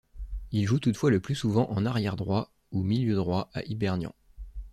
Il joue toutefois le plus souvent arrière droit ou milieu droit à Hibernian.